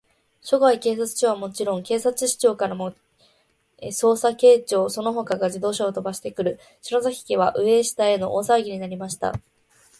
所轄警察署からはもちろん、警視庁からも、捜査係長その他が自動車をとばしてくる、篠崎家は、上を下への大さわぎになりました。